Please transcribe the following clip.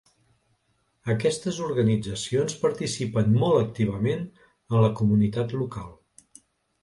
Aquestes organitzacions participen molt activament en la comunitat local.